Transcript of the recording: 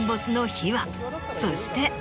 そして。